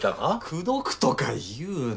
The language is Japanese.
「口説く」とか言うな！